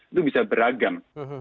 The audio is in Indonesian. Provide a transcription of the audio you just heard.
itu bisa beragam